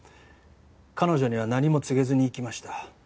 彼女には何も告げずに行きました。